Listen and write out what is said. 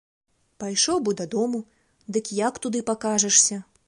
Пайшоў бы дадому, дык як туды пакажашся?